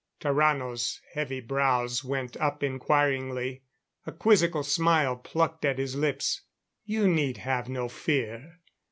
Tarrano's heavy brows went up inquiringly. A quizzical smile plucked at his lips. "You need have no fear.